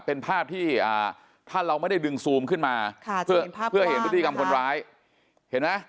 เป็นภาพที่ถ้าเราไม่ได้ดึงซูมขึ้นมาเพื่อเห็นพฤติกรรมคนร้ายเห็นไหม